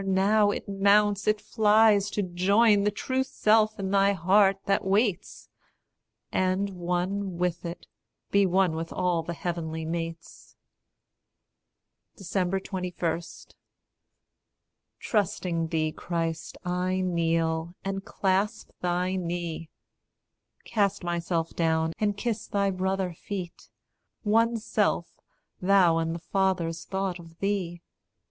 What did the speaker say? now it mounts, it flies, To join the true self in thy heart that waits, And, one with it, be one with all the heavenly mates. 21. Trusting thee, Christ, I kneel, and clasp thy knee; Cast myself down, and kiss thy brother feet One self thou and the Father's thought of thee!